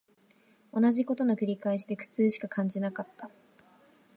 同じ事の繰り返しで苦痛しか感じなかった